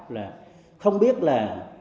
là không biết là